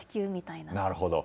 なるほど。